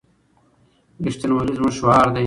رښتینولي زموږ شعار دی.